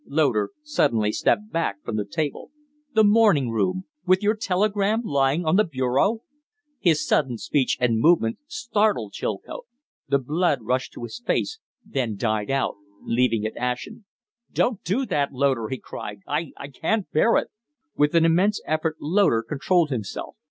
Loder suddenly stepped back from the table. "The morning room? With your telegram lying on the bureau?" His sudden speech and movement startled Chilcote. The blood rushed to his face, then died out, leaving it ashen. "Don't do that, Loder!" he cried. "I I can't bear it!" With an immense effort Loder controlled himself.